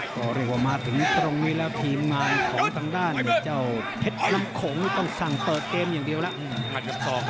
ก็เรียกว่ามาถึงตรงนี้แล้วทีมงานของทางด้านเจ้าเพชรน้ำขงนี่ต้องสั่งเปิดเกมอย่างเดียวแล้ว